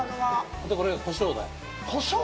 そして、これがコショウダイ。